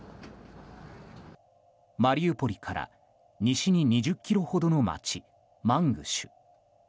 マリウポリから西に２０ｋｍほどの街マングシュ。